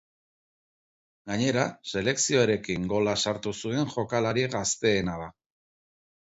Gainera, selekzioarekin gola sartu zuen jokalari gazteena da.